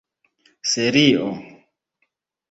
serio